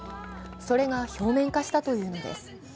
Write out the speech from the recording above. それが表面化したというのです。